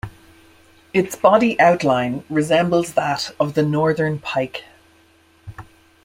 Its body outline resembles that of the northern pike.